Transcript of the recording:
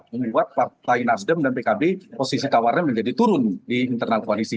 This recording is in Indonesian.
membuat partai nasdem dan pkb posisi tawarnya menjadi turun di internal koalisi